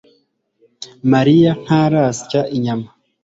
Mariya ntarasya inyama